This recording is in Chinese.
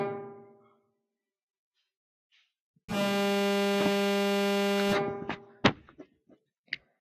它们的攻击性也比其他同类生物强得多。